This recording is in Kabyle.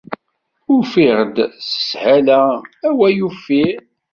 Ufiɣ-d s sshala awal uffir.